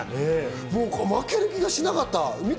もう負ける気がしなかった。